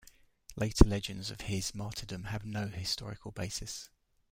Later legends of his martyrdom have no historical basis.